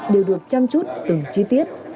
đều được chăm chút từng chi tiết